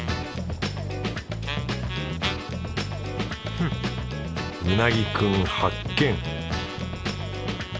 フッうなぎくん発見